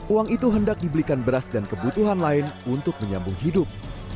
uang itu hendak dibelikan beras dan kebutuhan lain untuk menyambung hidup